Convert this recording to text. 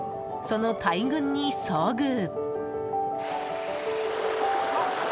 その大群に遭遇。